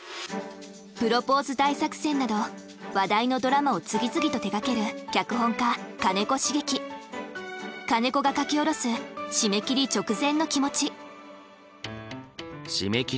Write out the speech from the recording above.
「プロポーズ大作戦」など話題のドラマを次々と手がける金子が書き下ろす気になる言葉ありますか？